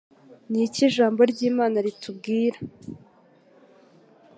Niki Ijambo ry’Imana ritubwira